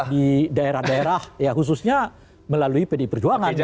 di daerah daerah ya khususnya melalui pdi perjuangan